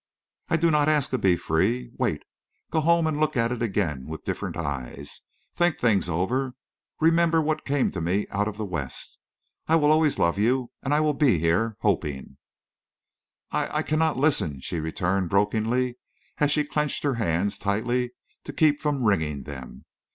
"I do not ask to be free. Wait. Go home and look at it again with different eyes. Think things over. Remember what came to me out of the West. I will always love you—and I will be here—hoping—" "I—I cannot listen," she returned, brokenly, and she clenched her hands tightly to keep from wringing them.